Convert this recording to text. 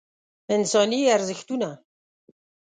انساني ارزښتونه